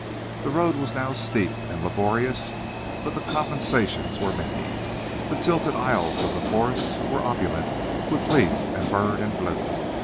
The road was now steep and laborious, but the compensations were many. The tilted aisles of the forest were opulent with leaf and bird and bloom.